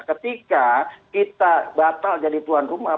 ketika kita batal jadi tuan rumah